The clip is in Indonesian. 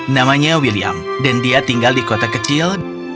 namanya william dan dia tinggal di kota kecil